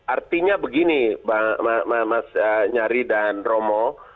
artinya begini mas nyari dan romo